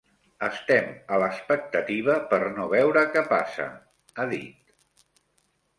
Estem a l'expectativa per no veure què passa, ha dit.